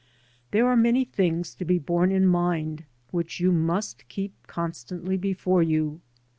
There are many things to be borne in mind which you must keep constantly before you.